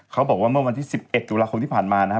บอกว่าเมื่อวันที่๑๑ตุลาคมที่ผ่านมานะครับ